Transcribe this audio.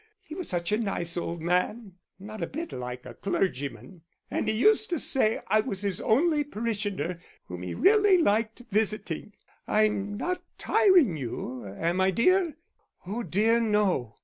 He was such a nice old man, not a bit like a clergyman; and he used to say I was his only parishioner whom he really liked visiting.... I'm not tiring you, am I, dear?" "Oh, dear, no!"